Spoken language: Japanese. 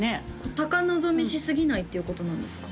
高望みしすぎないっていうことなんですか？